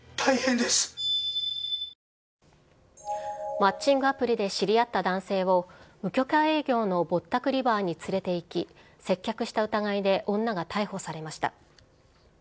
マッチングアプリで知り合った男性を無許可営業のぼったくりバーに連れて行き、接客した疑いで、女が逮捕されました。